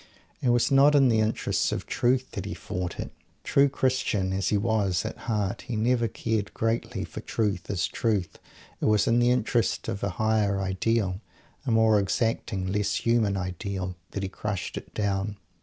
It was not in the interests of Truth that he fought it. True Christian, as he was, at heart, he never cared greatly for Truth as Truth. It was in the interest of a Higher Ideal, a more exacting, less human Ideal, that he crushed it down.